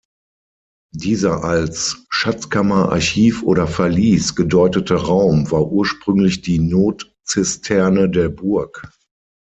Dieser als »Schatzkammer«, »Archiv« oder »Verlies« gedeutete Raum war ursprünglich die Not-Zisterne der Burg.